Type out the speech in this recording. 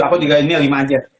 aku juga ini yang lima aja